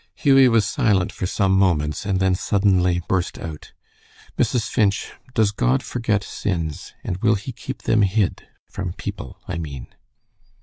Hughie was silent for some moments, and then suddenly burst out, "Mrs. Finch, does God forget sins, and will he keep them hid, from people, I mean?"